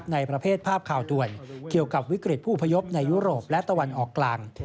ในประเภทภาพข่าวด่วนเกี่ยวกับวิกฤตผู้อพยพในยุโรปและตะวันออกกลาง